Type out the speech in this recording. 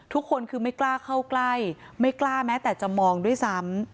ทุกคนคือไม่กล้าเข้าใกล้ไม่กล้าแม้แต่จะมองด้วยซ้ำ